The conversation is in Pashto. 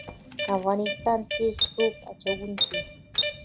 د افغانستان تیز توپ اچوونکي